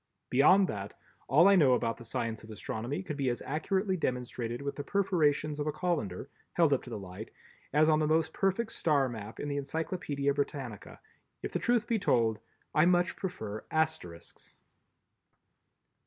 Beyond that, all I know about the science of astronomy could be as accurately demonstrated with the perforations of a colander, held up to the light, as on the most perfect star map in the Encyclopedia Britannica. If the truth must be told, I much prefer Asterisks.